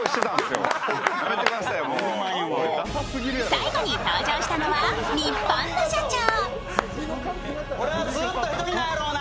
最後に登場したのはニッポンの社長。